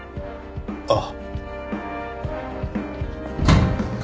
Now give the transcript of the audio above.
ああ。